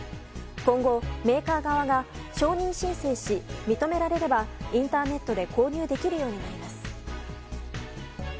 今後、メーカー側が承認申請し認められれば、インターネットで購入できるようになります。